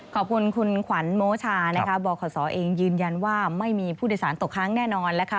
ขอบคุณคุณขวัญโมชานะคะบขศเองยืนยันว่าไม่มีผู้โดยสารตกค้างแน่นอนนะคะ